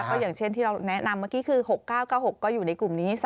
ก็อย่างเช่นที่เราแนะนำเมื่อกี้คือ๖๙๙๖ก็อยู่ในกลุ่มนี้